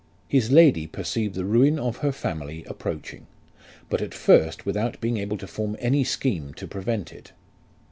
"His lady perceived the ruin of her family approaching, but at first without being able to form any scheme to prevent it.